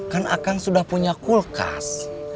kan akan sudah punya kulkas